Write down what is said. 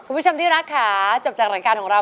คุณผู้ชมที่รักค่ะจบจากรายการของเรา